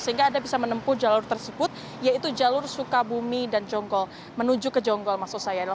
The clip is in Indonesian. sehingga anda bisa menempuh jalur tersebut yaitu jalur sukabumi dan jonggol menuju ke jonggol maksud saya adalah